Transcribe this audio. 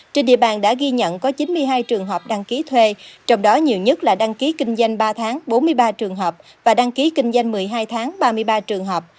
trên địa bàn đã ghi nhận có chín mươi hai trường hợp đăng ký thuê trong đó nhiều nhất là đăng ký kinh doanh ba tháng bốn mươi ba trường hợp và đăng ký kinh doanh một mươi hai tháng ba mươi ba trường hợp